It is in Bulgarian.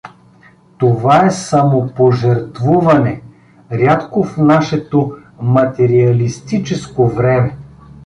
Това е самопожертвуване, рядко в нашето материалистическо време.